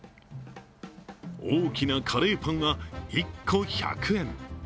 大きなカレーパンは１個１００円。